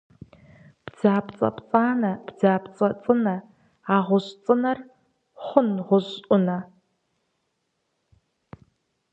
Бдзапцӏэ пцӏанэ бдзапцӏэ цӏынэ, а гъущӏ цӏынэр хъун гъущӏ ӏунэ?